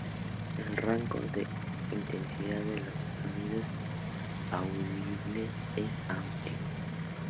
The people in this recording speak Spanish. El rango de intensidad de los sonidos audibles es amplio.